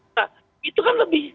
nah itu kan lebih